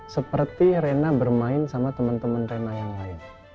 seperti rena bermain sama temen temen rena yang lain